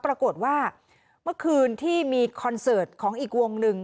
ปรากฏว่าเมื่อคืนที่มีคอนเสิร์ตของอีกวงหนึ่ง